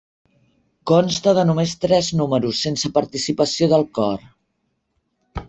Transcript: Consta de només tres números, sense participació del cor.